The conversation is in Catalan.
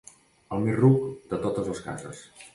El més ruc de totes les cases.